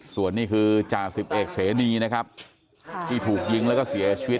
ส่วนนี้คือจ่าสิบเอกเสนีนะครับที่ถูกยิงแล้วก็เสียชีวิต